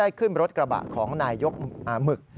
สี่นัดสองนัดเกือบ